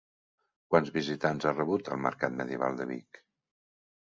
Quants visitants ha rebut el Mercat Medieval de Vic?